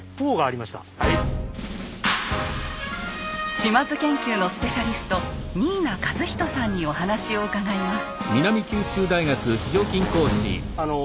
島津研究のスペシャリスト新名一仁さんにお話を伺います。